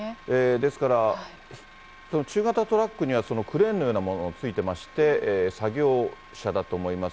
ですから、その中型トラックには、クレーンのようなものがついてまして、作業車だと思います。